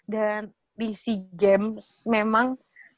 dan di si games memang